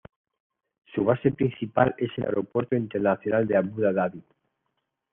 Su base principal es el Aeropuerto Internacional de Abu Dabi.